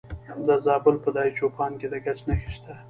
د زابل په دایچوپان کې د ګچ نښې شته.